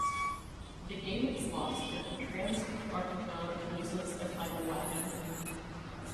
The game is lost if the "Transarctica" loses a vital wagon.